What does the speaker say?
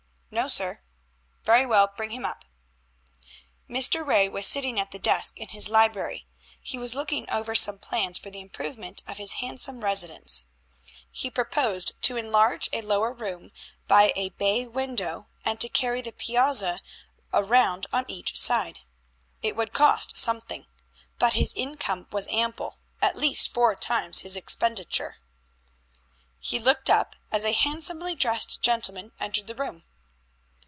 "No, sir." "Very well; bring him up." Mr. Ray was sitting at the desk in his library. He was looking over some plans for the improvement of his handsome residence. He proposed to enlarge a lower room by a bay window and to carry the piazza round on each side. It would cost something, but his income was ample at least four times his expenditure. He looked up as a handsomely dressed gentleman entered the room.